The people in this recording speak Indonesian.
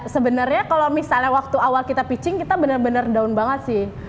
sebenarnya kalau misalnya waktu awal kita pitching kita benar benar down banget sih